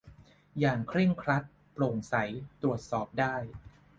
อย่างเคร่งครัด โปร่งใส ตรวจสอบได้